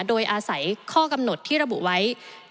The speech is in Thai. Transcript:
โดยอาศัยข้อกำหนดที่ระบุไว้